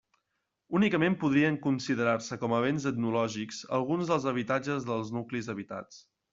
Únicament podrien considerar-se com a béns etnològics alguns dels habitatges dels nuclis habitats.